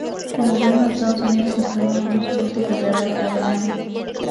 El gobierno de Estados Unidos aprueba un presupuesto federal cada año.